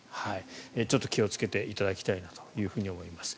ちょっと気をつけていただきたいなと思います。